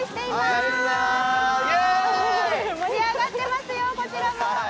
盛り上がってますよこちらも。